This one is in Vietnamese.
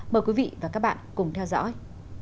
mời quý vị và các bạn cùng theo dõi